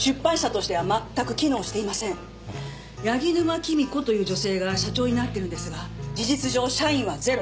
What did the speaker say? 柳沼きみ子という女性が社長になってるんですが事実上社員はゼロ。